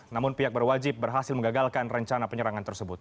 namun pihak berwajib berhasil mengagalkan rencana penyerangan tersebut